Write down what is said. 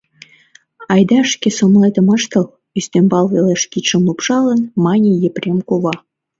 — Айда шке сомылетым ыштыл, — ӱстембал велыш кидшым лупшалын, мане Епрем кува.